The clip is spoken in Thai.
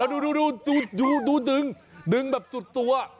แล้วดูดึงดึงแบบสุดตัว